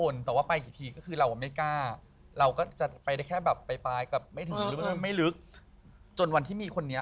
แล้วได้กลับไปอีกมาที่นี่